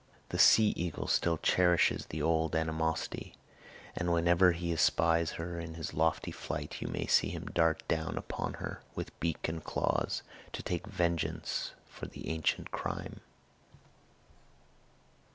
The sea eagle still cherishes the old animosity; and whenever he espies her in his lofty flight you may see him dart down upon her, with beak and claws, to take vengeance for the ancient crime.